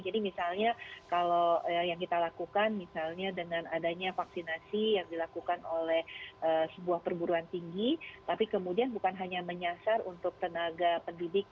jadi misalnya kalau yang kita lakukan misalnya dengan adanya vaksinasi yang dilakukan oleh sebuah perburuan tinggi tapi kemudian bukan hanya menyasar untuk tenaga pendidik